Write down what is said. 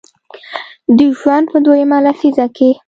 د ژوند په دویمه لسیزه کې